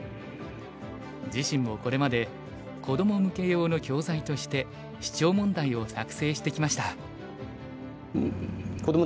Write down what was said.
自身もこれまで子ども向け用の教材としてシチョウ問題を作成してきました。